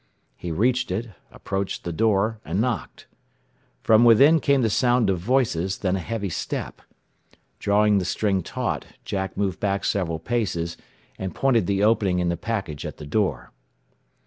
He reached it, approached the door, and knocked. From within came the sound of voices, then a heavy step. Drawing the string taut Jack moved back several paces, and pointed the opening in the package at the door.